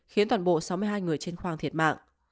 khiến toàn bộ sáu mươi hai người trên khoang thiệt mạng